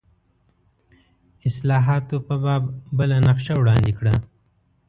اصلاحاتو په باب بله نقشه وړاندې کړه.